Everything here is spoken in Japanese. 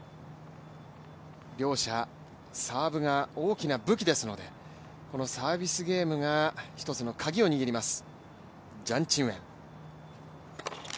両者サーブが大きな武器ですのでこのサービスゲームが一つのカギを握ります。